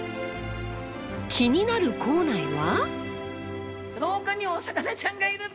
気になる校内は。